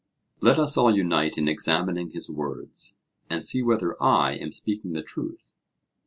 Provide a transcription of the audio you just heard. Let us all unite in examining his words, and see whether I am speaking the truth.